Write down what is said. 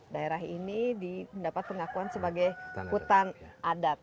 daerah ini mendapat pengakuan sebagai hutan adat